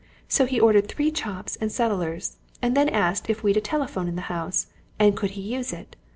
So he ordered three chops and setterers and then he asked if we'd a telephone in the house, and could he use it.